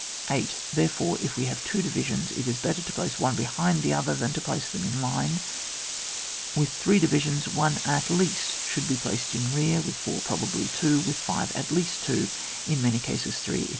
8. Therefore, if we have two divisions, it is better to place one behind the other than to place them in line : with three divisions, one at hast should be placed in rear ; with four, probably two ; with five, at least two, in many cases, threoi etc.